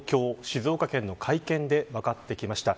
静岡県の会見で分かってきました。